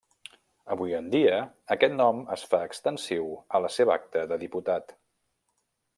Avui en dia aquest nom es fa extensiu a la seva acta de diputat.